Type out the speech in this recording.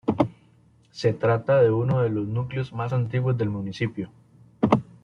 Se trata de uno de los núcleos más antiguos del municipio.